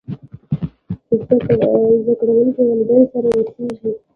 زده کړونکي والدينو سره اوسېږي.